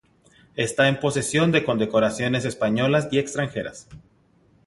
Está en posesión de condecoraciones españolas y extranjeras.